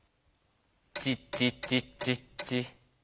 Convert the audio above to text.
チッチッチッチッチッ。